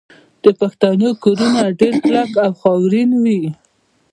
د پښتنو کورونه ډیر کلک او خاورین وي.